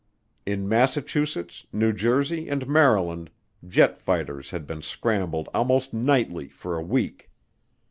In Massachusetts, New Jersey, and Maryland jet fighters had been scrambled almost nightly for a week.